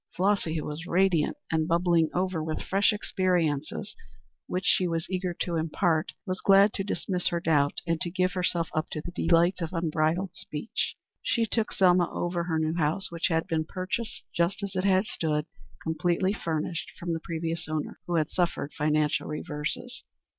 Flossy, who was radiant and bubbling over with fresh experiences which she was eager to impart, was glad to dismiss her doubt and to give herself up to the delights of unbridled speech. She took Selma over her new house, which had been purchased just as it stood, completely furnished, from the previous owner, who had suffered financial reverses.